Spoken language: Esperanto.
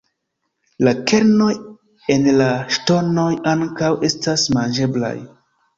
La kernoj en la ŝtonoj ankaŭ estas manĝeblaj.